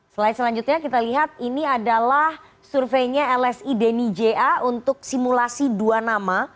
slide selanjutnya kita lihat ini adalah surveinya lsi denny ja untuk simulasi dua nama